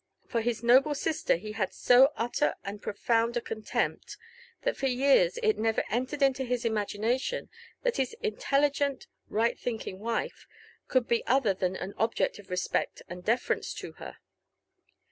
For his noble sister he had so utter and profound a contempt, that for years it never entered into his imagination that hid Intelligent, right thinking wife could be other than an object of respect and deference to her.